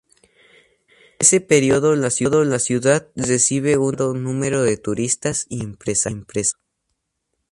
En ese período la ciudad recibe un elevado número de turistas y empresarios.